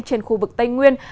trên khu vực tây nguyên